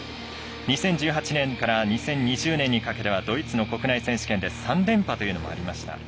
２０１８年から２０２０年にかけてはドイツの国内選手権で３連覇というのもありました。